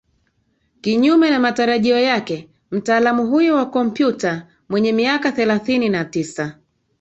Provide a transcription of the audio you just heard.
kinyume na matarajio yake mtaalamu huyo wa komputer mwenye miaka thelathini na tisa